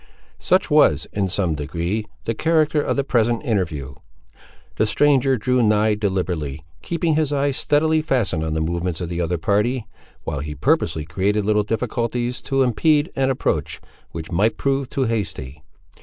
Such was, in some degree, the character of the present interview. The stranger drew nigh deliberately; keeping his eyes steadily fastened on the movements of the other party, while he purposely created little difficulties to impede an approach which might prove too hasty.